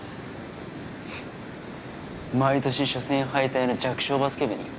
フッ毎年初戦敗退の弱小バスケ部に？